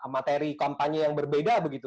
materi kampanye yang berbeda begitu